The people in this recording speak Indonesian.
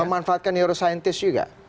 memanfaatkan neuroscientist juga